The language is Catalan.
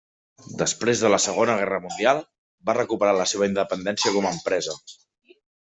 Després de la Segona Guerra Mundial, va recuperar la seva independència com a empresa.